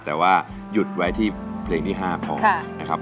แต่ว่าหยุดไว้ที่เพลงที่๕พอนะครับ